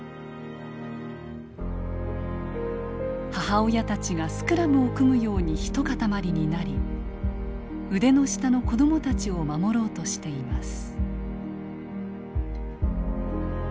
母親たちがスクラムを組むように一塊になり腕の下の子どもたちを守ろうとしています。